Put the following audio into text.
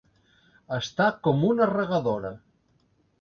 Estar com una regadora.